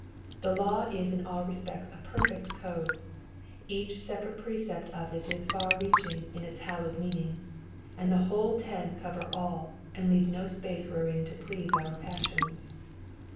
The law is in all respects a perfect code ; each separate precepc of it is far reaching in its hallowed meaning, and the whole ten cover all, and leave no space wherein to please our passions.